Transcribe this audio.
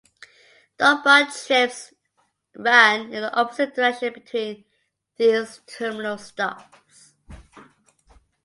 Northbound trips run in the opposite direction between these terminal stops.